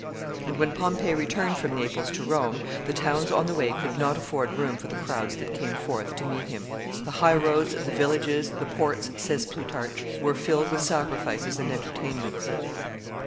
And when Pompey returned from Naples to Rome, the towns on the way could not afford room for the crowds that came forth to meet him. The high roads, the villages, the ports, says Plutarch, were filled with sacrifices and entertainments.